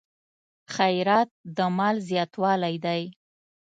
خیرات د مال زیاتوالی دی.